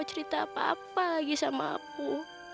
cerita apa apa lagi sama aku